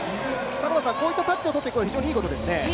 こういうタッチを取っていくのは非常にいいことですね。